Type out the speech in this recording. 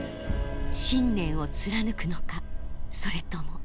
信念を貫くのかそれとも。